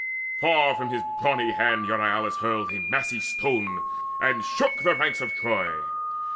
Far from his brawny hand Euryalus hurled A massy stone, and shook the ranks of Troy.